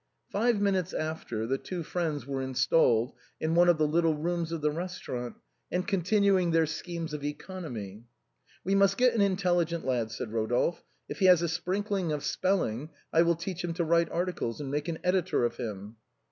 Five minutes after, the two friends were installed in one of the little rooms of the restaurant, and continuing their schemes of economy. " We must get an intelligent lad," said Eodolphe ;" if he has a sprinkling of spelling, I will teach him to write articles, and make an editor of him."